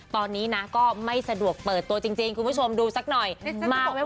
ตอนนี้นะก็ไม่สะดวกเปิดตัวจริงคุณผู้ชมดูสักหน่อยมากไหม